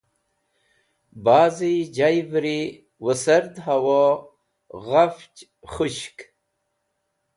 Ba'zi Jayviri Wiserd Hawo Ghafch Khushk